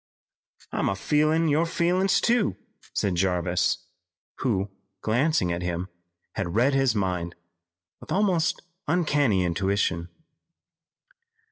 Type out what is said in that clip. "I'm feelin' your feelin's too," said Jarvis, who, glancing at him, had read his mind with almost uncanny intuition.